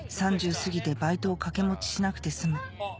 過ぎてバイトを掛け持ちしなくて済む